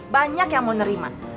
banyak yang mau nerima